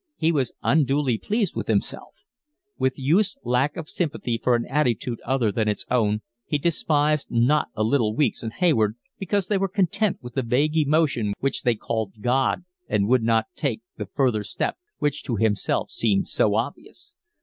He was unduly pleased with himself. With youth's lack of sympathy for an attitude other than its own he despised not a little Weeks and Hayward because they were content with the vague emotion which they called God and would not take the further step which to himself seemed so obvious.